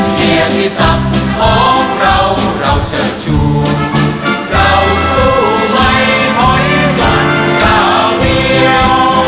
เพียงที่สักของเราเราจะจูบเราสู้ไม่ห่อยกันก้าวเดียว